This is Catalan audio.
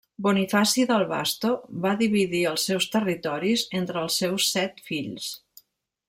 Bonifaci del Vasto va dividir els seus territoris entre els seus set fills.